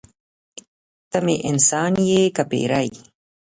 ته مې انسان یې که پیری.